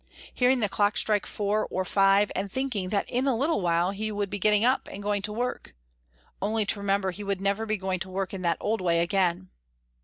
Hearing the clock strike four or five, and thinking that in a little while he would be getting up and going to work, only to remember he would never be going to work in that old way again!